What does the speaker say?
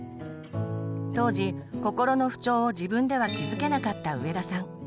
当時心の不調を自分では気づけなかった上田さん。